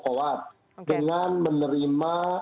kawat dengan menerima